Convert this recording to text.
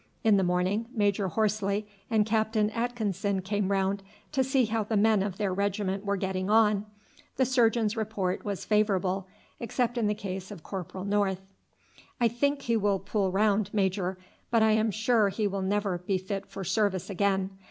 In the morning Major Horsley and Captain Atkinson came round to see how the men of their regiment were getting on. The surgeon's report was favourable except in the case of Corporal North. "I think he will pull round, major; but I am sure he will never be fit for service again.